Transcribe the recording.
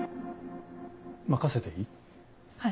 任せていい？